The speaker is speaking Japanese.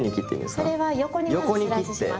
それは横にまずスライスします。